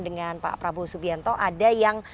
dengan pak prabowo subianto ada yang